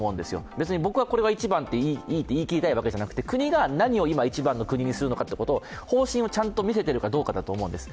別に僕はこれが一番って言い切りたいわけじゃなくて国が何が一番かっていう方針をちゃんと見せてるかどうかだと思うんです。